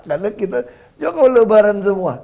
karena kita jokowi lebaran semua